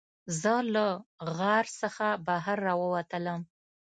زه له غار څخه بهر راووتلم.